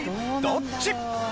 どっち？